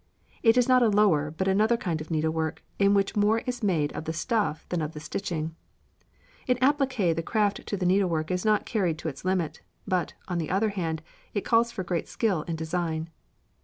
It is not a lower but another kind of needlework in which more is made of the stuff than of the stitching. In appliqué the craft to the needleworker is not carried to its limit, but, on the other hand, it calls for great skill in design.